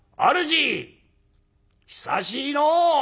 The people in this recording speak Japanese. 久しいのう」。